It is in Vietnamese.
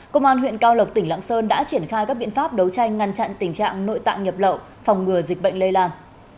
công an huyện cao lộc tỉnh lạng sơn đã triển khai các biện pháp đấu tranh ngăn chặn tình trạng nội tạng nhập lậu phòng ngừa dịch bệnh lây lan